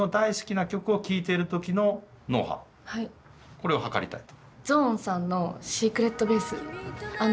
これを測りたいと。